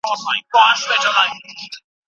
ګډ ژوند اصول لري.